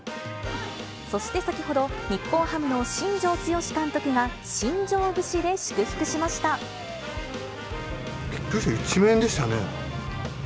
そして先ほど、日本ハムの新庄剛志監督が、びっくりした、１面でしたね。